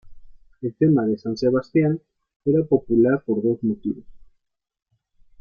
El tema de san Sebastián era popular por dos motivos.